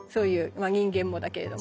まあ人間もだけれども。